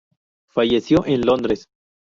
Falleció en Londres.